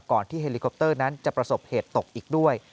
ที่เฮลิคอปเตอร์นั้นจะประสบเหตุตกอีกด้วย